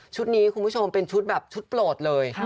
นี้คุณผู้ชมเป็นชุดแบบชุดโปรดเลย